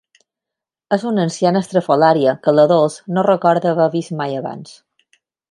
És una anciana estrafolària que la Dols no recorda haver vist mai abans.